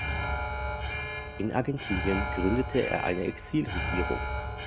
In Argentinien gründete er eine Exilregierung.